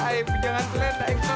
ayo pinjangan kulen naik ke padang